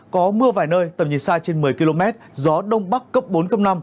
có mưa vài nơi tầm nhìn xa trên một mươi km gió đông bắc cấp bốn năm